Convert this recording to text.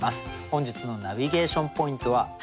本日のナビゲーション・ポイントは？